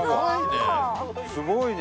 すごいね。